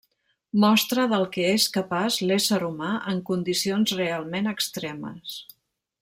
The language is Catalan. Mostra del que és capaç l'ésser humà en condicions realment extremes.